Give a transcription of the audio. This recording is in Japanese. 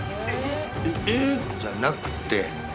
「えっ？」じゃなくて。